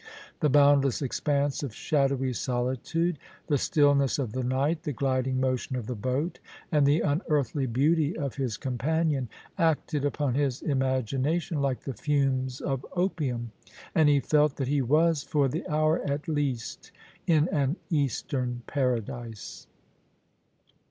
The boundless expanse of shadowy solitude, the stillness of the night, the gliding motion of the boat, and the unearthly beauty of his com panion, acted upon his imagination like the fumes of opium, and he felt that he was, for the hour at least, in an Eastern paradise.